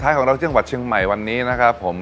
ของเราจังหวัดเชียงใหม่วันนี้นะครับผม